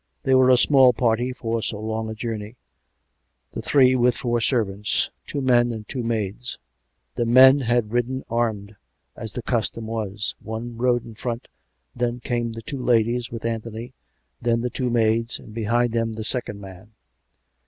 They were a small party for so long a journey — the three with four servants — two men and two maids: the men had ridden armed, as the custom was; one rode in front, then came the two ladies with Anthony; then the two maids, and behind them the second man.